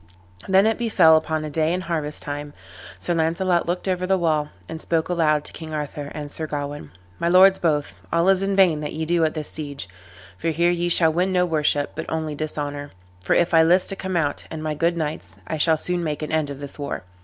Then it befell upon a day in harvest time, Sir Launcelot looked over the wall, and spoke aloud to King Arthur and Sir Gawain, "My lords both, all is in vain that ye do at this siege, for here ye shall win no worship, but only dishonor; for if I list to come out, and my good knights, I shall soon make an end of this war."